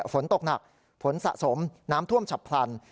ฝนตกหนักฝนสะสมน้ำท่วมฉับพลัน